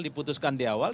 diputuskan di awal